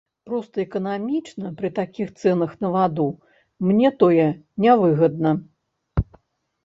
Проста эканамічна, пры такіх цэнах на ваду мне тое нявыгадна.